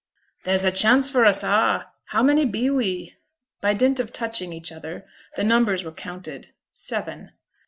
'There's a chance for us a'. How many be we?' By dint of touching each other the numbers were counted. Seven.